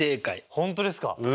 本当ですか！？